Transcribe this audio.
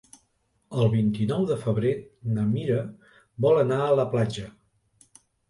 El vint-i-nou de febrer na Mira vol anar a la platja.